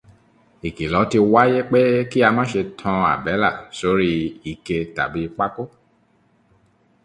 Ìkìlọ̀ ti wáyé pé kí á máṣe tan àbẹ́là sórí ike tàbí pákó.